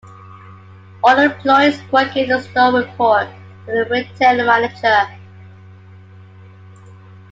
All employees working in the store report to the retail manager.